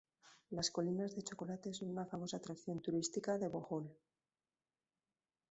Las Colinas de Chocolate son una famosa atracción turística de Bohol.